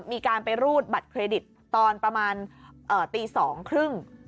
มีการไปรูดบัตรเครดิตตอนประมาณตี๒๓๐น